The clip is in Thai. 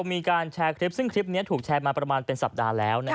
มีการแชร์คลิปซึ่งคลิปนี้ถูกแชร์มาประมาณเป็นสัปดาห์แล้ว